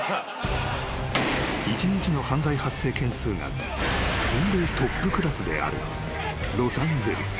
［一日の犯罪発生件数が全米トップクラスであるロサンゼルス］